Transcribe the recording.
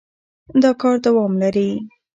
دا کار دوام لري.